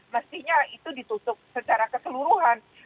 mestinya itu ditutup secara keseluruhan